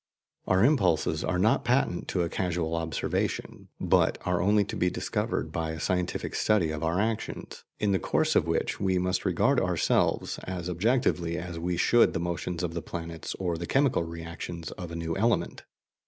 Our impulses are not patent to a casual observation, but are only to be discovered by a scientific study of our actions, in the course of which we must regard ourselves as objectively as we should the motions of the planets or the chemical reactions of a new element.